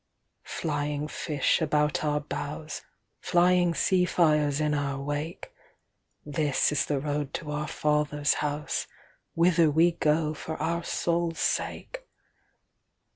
Flying fish about our bows, Flying sea fires in our wake:This is the road to our Father's House, Whither we go for our souls' sake!